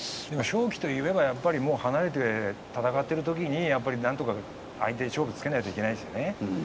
離れて戦っているときになんとか相手に勝負をつけないといけないですね。